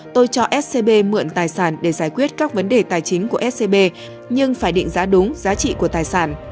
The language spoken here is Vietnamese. tôi cho scb mượn tài sản để giải quyết các vấn đề tài chính của scb nhưng phải định giá đúng giá trị của tài sản